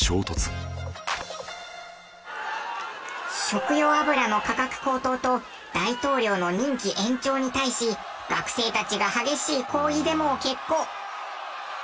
食用油の価格高騰と大統領の任期延長に対し学生たちが激しい抗議デモを決行。